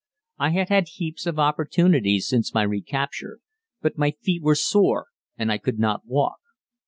I had had heaps of opportunities since my recapture, but my feet were sore and I could not walk."